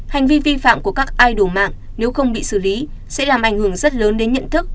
hành vi vi phạm của các ai đủ mạng nếu không bị xử lý sẽ làm ảnh hưởng rất lớn đến nhận thức